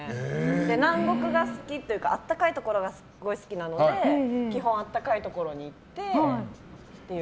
南国が好きというか暖かいところがすごく好きなので基本暖かいところに行ってっていう。